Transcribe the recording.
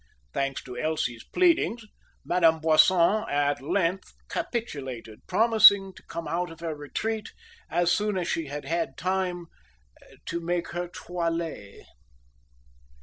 Thanks to Elsie's pleadings, Madame Boisson at length capitulated, promising to come out of her retreat as soon as she had had time, "to make her toilet."